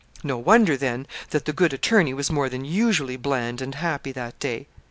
No wonder, then, that the good attorney was more than usually bland and happy that day.